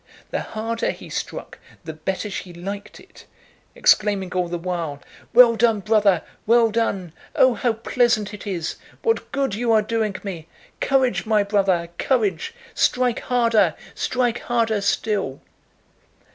The harder he struck the better she liked it, exclaiming all the while, "Well done, brother, well done! Oh, how pleasant it is! what good you are doing me! Courage, my brother, courage; strike harder, strike harder still!"